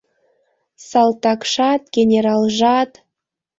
Салтакшат, генералжат.